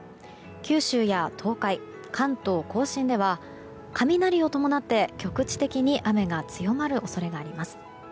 九州や東海、関東・甲信では雷を伴って局地的に雨が強まる恐れがあります。